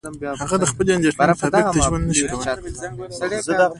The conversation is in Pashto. هغه د خپلې اندیشې مطابق ژوند نشي کولای.